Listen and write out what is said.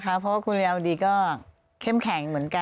เพราะว่าคุณเรียวดีก็เข้มแข็งเหมือนกัน